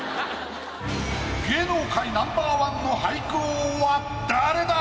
芸能界ナンバーワンの俳句王は誰だ？